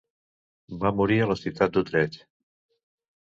Va morir a la ciutat d'Utrecht.